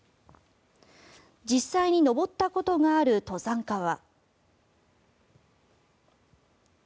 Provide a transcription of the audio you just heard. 実際に登ったことがある登山家は。